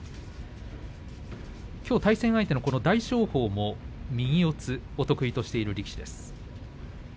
きょう対戦相手の大翔鵬も右四つを得意としている力士です。